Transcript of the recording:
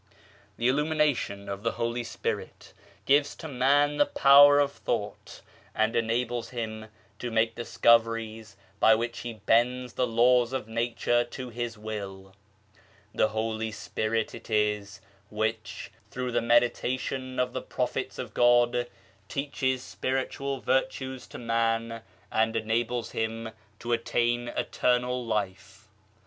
The illumination of the Holy Spirit gives to Man the power of Thought, and enables him to 1 Manifestations of God. TWO NATURES IN MAN 53 make discoveries by which he bends the laws of nature to his will. The Holy Spirit it is which, through the meditation of the Prophets of God, teaches spiritual virtues to Man and enables him to attain Eternal life.